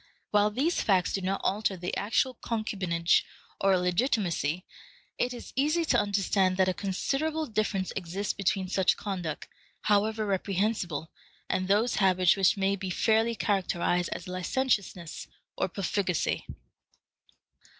While these facts do not alter the actual concubinage or illegitimacy, it is easy to understand that a considerable difference exists between such conduct, however reprehensible, and those habits which may be fairly characterized as licentiousness or profligacy.